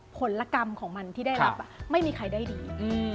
ผลกรรมของมันที่ได้รับไม่มีใครได้ดี